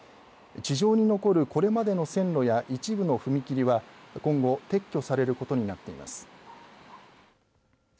地上に残るこれまでの線路や一部の踏切は今後撤去されることになっています。